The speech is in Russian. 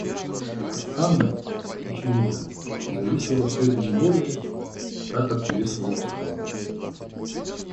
От Анны, очевидно, зависело всё это не более, как от Весловского.